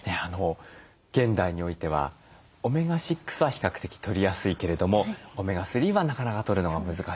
現代においてはオメガ６は比較的とりやすいけれどもオメガ３はなかなかとるのが難しいと。